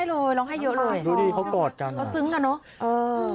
ร้องไห้เลยร้องไห้เยอะเลย